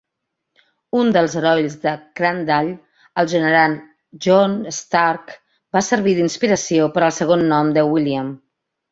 Un del herois de Crandall, el general John Stark, va servir d'inspiració per al segon nom de William.